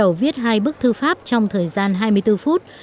các thí sinh sẽ viết hai bức thư pháp trong thời gian hai mươi bốn phút